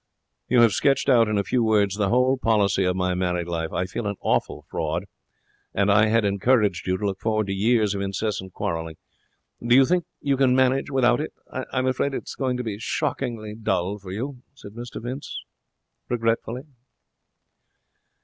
'You have sketched out in a few words the whole policy of my married life. I feel an awful fraud. And I had encouraged you to look forward to years of incessant quarrelling. Do you think you can manage without it? I'm afraid it's going to be shockingly dull for you,' said Mr Vince, regretfully.